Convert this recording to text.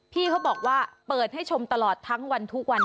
พี่เขาบอกว่าเปิดให้ชมตลอดทั้งวันทุกวัน